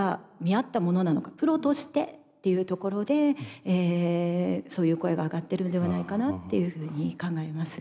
プロとしてっていうところでそういう声が上がってるのではないかなっていうふうに考えます。